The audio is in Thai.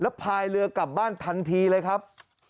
แล้วพลายเรืองั้นกลับบ้านทันทีเลยครับ